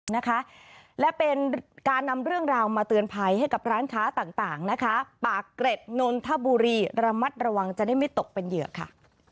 นะคะและเป็นการนำเรื่องราวมาเตือนภัยให้กับร้านค้าต่างนะคะปากเกร็ดนนทบุรีระมัดระวังจะได้ไม่ตกเป็นเหยื่อค่ะ